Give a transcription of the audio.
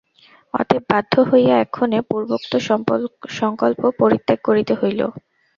অতএব বাধ্য হইয়া এক্ষণে পূর্বোক্ত সংকল্প পরিত্যাগ করিতে হইল।